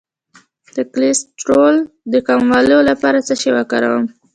د کولیسټرول د کمولو لپاره څه شی وکاروم؟